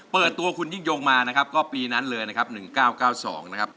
เปิดตัวคุณยิ่งยงมานะครับก็ปีนั้นเลยนะครับ๑๙๙๒นะครับ